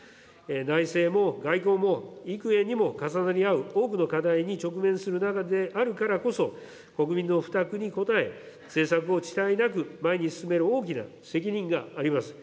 内政も外交もいくえにも重なり合う多くの課題に直面する中であるからこそ、国民の負託に応え、政策を遅滞なく前に進める大きな責任があります。